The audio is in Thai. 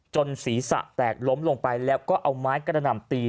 ศีรษะแตกล้มลงไปแล้วก็เอาไม้กระหน่ำตี